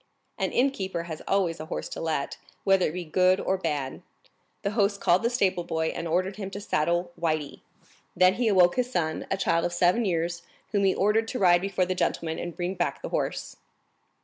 An innkeeper has always a horse to let, whether it be good or bad. The host called the stable boy, and ordered him to saddle Le Blanc then he awoke his son, a child of seven years, whom he ordered to ride before the gentleman and bring back the horse.